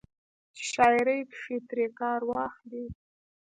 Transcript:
چې شاعرۍ کښې ترې کار واخلي